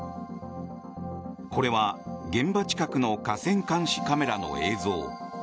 これは現場近くの河川監視カメラの映像。